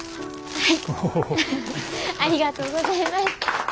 はい！